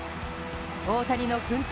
大谷の奮闘